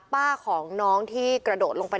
ป้าของน้องที่กระโดดลงไป